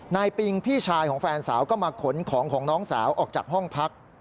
ปิงพี่ชายของแฟนสาวก็มาขนของของน้องสาวออกจากห้องพัก